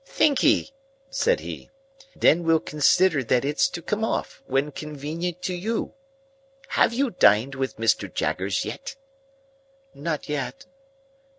"Thankee," said he; "then we'll consider that it's to come off, when convenient to you. Have you dined with Mr. Jaggers yet?" "Not yet."